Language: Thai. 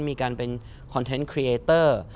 มีการเป็นคอนเทนต์ครีเอเตอร์